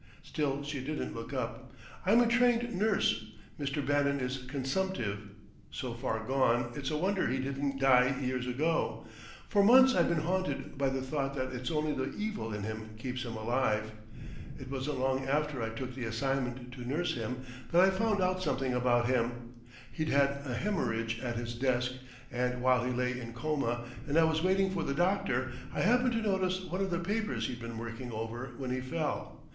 Still she didn't look up. "I'm a trained nurse. Mr. Bannon is consumptive so far gone, it's a wonder he didn't die years ago: for months I've been haunted by the thought that it's only the evil in him keeps him alive. It wasn't long after I took the assignment to nurse him that I found out something about him.... He'd had a haemorrhage at his desk; and while he lay in coma, and I was waiting for the doctor, I happened to notice one of the papers he'd been working over when he fell.